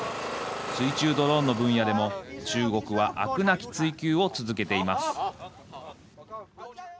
水中ドローンの分野でも、中国は飽くなき追求を続けています。